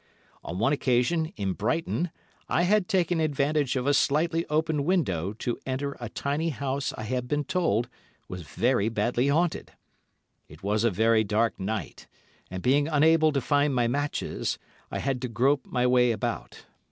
On one occasion, in Brighton, I had taken advantage of a slightly open window to enter a tiny house I had been told was very badly haunted. It was a very dark night, and being unable to find my matches, I had to grope my way about.